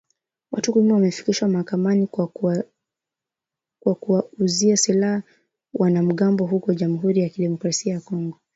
Watu kumi wamefikishwa mahakamani kwa kuwauzia silaha wanamgambo huko Jamhuri ya Kidemokrasia ya Kongo